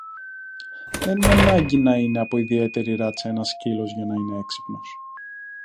Δεν είναι ανάγκη να είναι από ιδιαίτερη ράτσα ένας σκύλος για να είναι έξυπνος